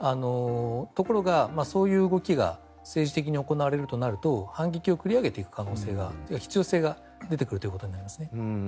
ところがそういう動きが政治的に行われるとなると反撃を繰り上げていく必要性が出てくるということになります。